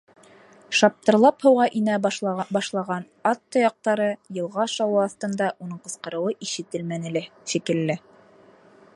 - Шаптырлап һыуға инә башлаған ат тояҡтары, йылға шауы аҫтында уның ҡысҡырыуы ишетелмәне лә, шикелле.